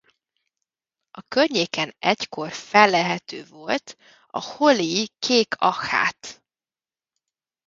A környéken egykor fellelhető volt a holley-i kék achát.